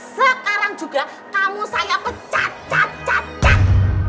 sekarang juga kamu saya pecat cat cat cat